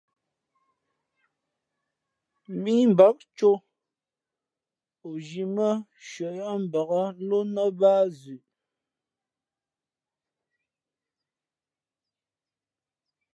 Mímbak cō, o zhī mά nshʉαyάʼ mbǎk ló nά báá zʉʼ.